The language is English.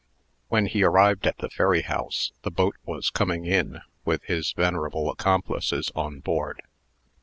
When he arrived at the ferry house, the boat was coming in, with his venerable accomplices on board.